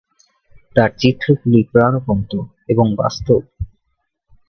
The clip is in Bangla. তার চিত্রগুলি প্রাণবন্ত এবং বাস্তব।